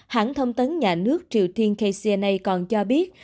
hãng thông tấn nhà nước triều tiên kcna còn cho biết